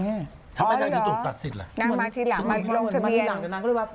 เธอไปที่ตกตัดสิทย์เหรอ